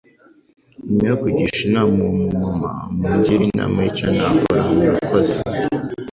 nyuma yo kugisha inama uwo mu mama mungire inama y'icyo nakora murakoze.